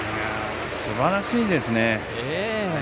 すばらしいですね。